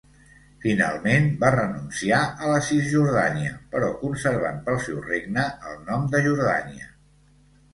Finalment va renunciar a la Cisjordània, però conservant pel seu regne el nom de Jordània.